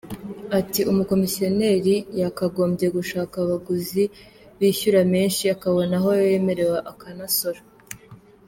Ati “Umukomisiyoneri yakagombye gushaka abaguzi bishyura menshi akabonaho ayo yemerewe akanasora.